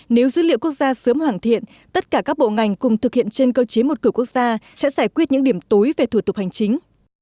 nếu dữ liệu quốc gia sớm hoàn thiện tất cả các bộ ngành cùng thực hiện trên cơ chế một cửa quốc gia sẽ giải quyết những điểm tối về thủ tục hành chính